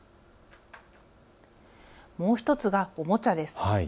もう１つがおもちゃです。